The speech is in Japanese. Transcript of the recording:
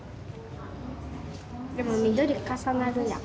でも緑重なるやん。